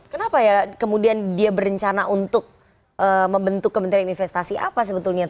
kenapa ya kemudian dia berencana untuk membentuk kementerian investasi apa sebetulnya